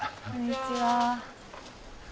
こんにちは。